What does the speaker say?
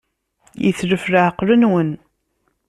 Yetlef leɛqel-nwen.